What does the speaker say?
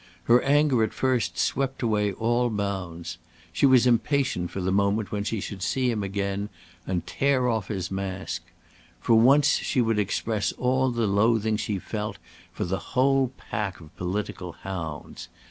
Her anger at first swept away all bounds. She was impatient for the moment when she should see him again, and tear off his mask. For once she would express all the loathing she felt for the whole pack of political hounds.